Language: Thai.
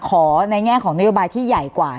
ในแง่ของนโยบายที่ใหญ่กว่า